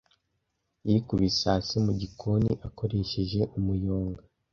Yikubise hasi mu gikoni akoresheje umuyonga.